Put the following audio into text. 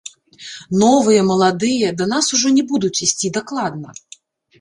Новыя, маладыя, да нас ужо не будуць ісці дакладна.